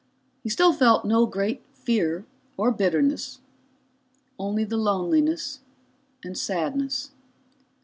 He still felt no great fear or bitterness. Only the loneliness, and sadness.